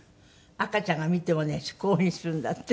赤ちゃんが見てもねこういうふうにするんだって。